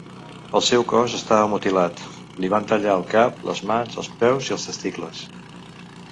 El seu cos estava mutilat: li van tallar el cap, les mans, els peus i els testicles.